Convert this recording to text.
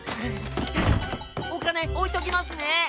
おかねおいときますね。